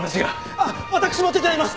あっ私も手伝います。